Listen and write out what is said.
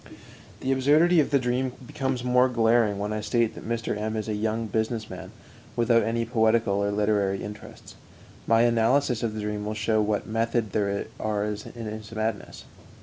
'"_ The absurdity of the dream becomes the more glaring when I state that Mr. M is a young business man without any poetical or literary interests. My analysis of the dream will show what method there is in this madness.